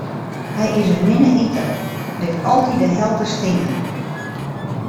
Hy is in minne iter, lit altyd de helte stean.